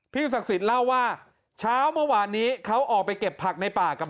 ศักดิ์สิทธิ์เล่าว่าเช้าเมื่อวานนี้เขาออกไปเก็บผักในป่ากับ